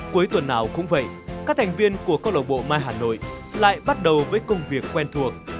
cuối tuần nào cũng vậy các thành viên của câu lạc bộ mai hà nội lại bắt đầu với công việc quen thuộc